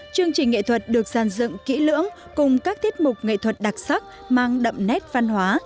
chương trình nghệ thuật được giàn dựng kỹ lưỡng cùng các tiết mục nghệ thuật đặc sắc mang đậm nét văn hóa